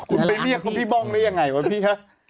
คุณไปเรียกน้องพี่บ้องได้ยังไงวะพี่คะ